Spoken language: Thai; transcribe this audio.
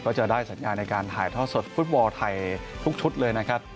ก็จะได้สัญญาณในการถ่ายทอดสดฟุตบอลไทยทุกชุดเลยนะครับ